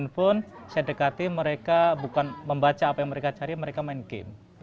handphone saya dekati mereka bukan membaca apa yang mereka cari mereka main game